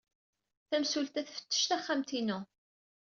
Tamsulta tfettec taxxamt-inu.